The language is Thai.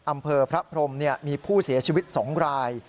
อำเภอพระพรมมีผู้เสียชีวิต๒ราย